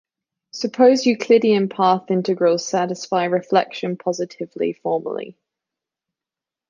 Suppose Euclidean path integrals satisfy reflection positivity formally.